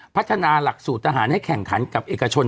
พัฒนาหลักสูตรทหารให้แข่งขันกับเอกชน